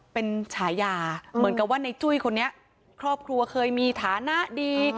เป็นฉายาเหมือนกับว่าในจุ้ยคนนี้ครอบครัวเคยมีฐานะดี